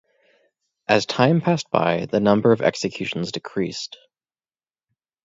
As time passed by, the number of executions decreased.